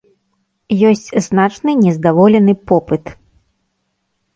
Ёсць значны нездаволены попыт.